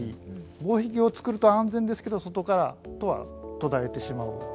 防壁をつくると安全ですけど外からとは途絶えてしまう。